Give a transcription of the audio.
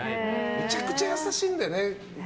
めちゃくちゃ優しいんだよね